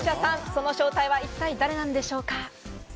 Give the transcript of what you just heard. その正体は一体誰なんでしょうか？